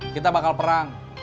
kita bakal perang